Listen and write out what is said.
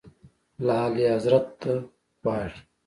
له اعلیحضرت غواړي.